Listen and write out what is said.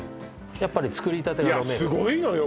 やっぱりつくりたてが飲めるすごいのよ